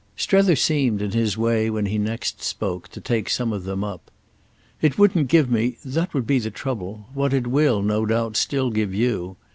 Strether seemed, in his way, when he next spoke, to take some of them up. "It wouldn't give me—that would be the trouble—what it will, no doubt, still give you.